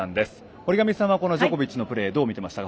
森上さんはジョコビッチのプレーどう見ていましたか？